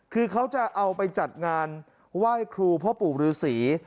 คือเขาจะเอาไปจัดงานไหว้ครูพ่อปู่ฤษี